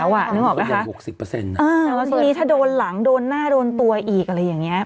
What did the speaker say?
วันหลังโดนหน้าโดนตัวอีกอะไรอย่างนี้